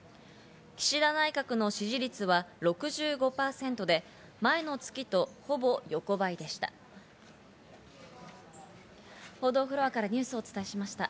岸田内閣の支持率は６５％で、前の月とほぼ横ばいでした。